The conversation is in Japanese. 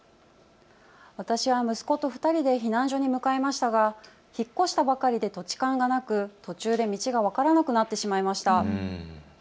私は息子と２人で避難所に向かいましたが引っ越したばかりで土地勘がなく途中で道が分からなくなってしまいました。